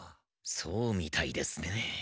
そうみたいですね。